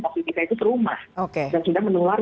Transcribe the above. positifnya itu serumah dan sudah menular